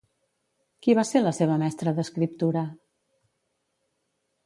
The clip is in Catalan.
Qui va ser la seva mestra d'escriptura?